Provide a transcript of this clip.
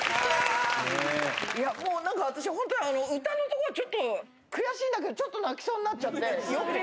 もうなんか、私、本当、あの歌のところ、ちょっと、悔しいんだけど、ちょっと泣きそうになっちゃって、酔ってて。